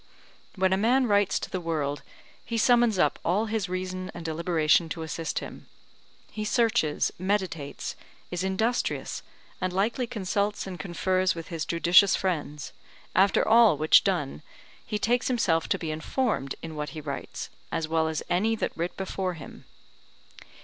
When a man writes to the world, he summons up all his reason and deliberation to assist him; he searches, meditates, is industrious, and likely consults and confers with his judicious friends; after all which done he takes himself to be informed in what he writes, as well as any that writ before him.